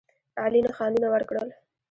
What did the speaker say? عالي نښانونه ورکړل.